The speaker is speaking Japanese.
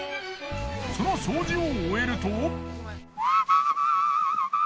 その掃除を終えると。